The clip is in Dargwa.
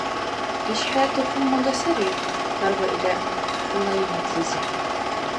— Иш хӀела тухум-мага сарив? — хьарбаира ХӀулайматлизи.